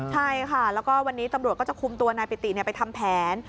ใช่ค่ะแล้วก็วันนี้ตำรวจก็จะคุมตัวนายปิติไปทำแผน